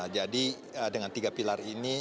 jadi dengan tiga pilar ini